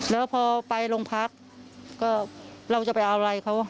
แล้วพอไปลงพักเราจะเอาอะไรเขา